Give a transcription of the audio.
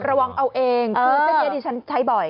ระวังเอาเองเพราะเจดิชันใช้บ่อย